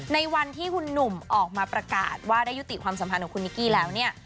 ในวันที่คุณหนุ่มออกมาประกาศว่าได้ยุติความสัมพันธ์ของคุณนิกกี้แล้วเนี่ย